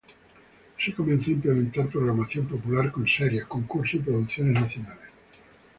Así comenzó a implementar programación popular con series, concursos y producciones nacionales.